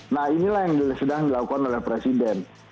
nah inilah yang sedang dilakukan oleh presiden